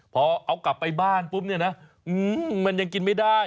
พอเอากลับไปบ้านปุ๊บเนี่ยนะมันยังกินไม่ได้